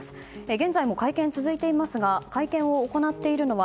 現在も会見は続いていますが会見を行っているのは